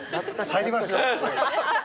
入りますよ。